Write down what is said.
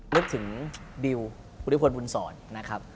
นึกถึงดีลคุณธิพลบุญสอนนะครับ